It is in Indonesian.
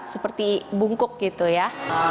seperti bungkuk gitu ya